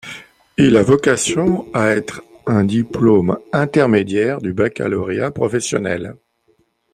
Il a vocation à être un diplôme intermédiaire du baccalauréat professionnel.